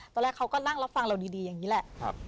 ตอนแรกเขาก็นั่งรับฟังเราดีอย่างนี้แหละ